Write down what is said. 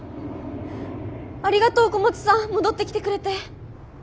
ありがとう小松さん戻ってきてくれて。